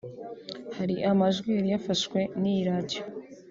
Hari amajwi yari yafashwe n’iyi Radiyo